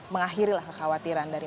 mengakhiri lah kekhawatiran dari